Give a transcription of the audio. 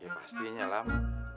ya pastinya lam